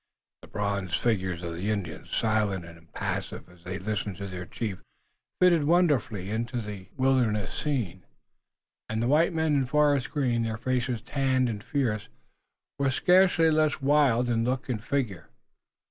The bronze figures of the Indians, silent and impassive as they listened to their chief, fitted wonderfully into the wilderness scene, and the white men in forest green, their faces tanned and fierce, were scarcely less wild in look and figure.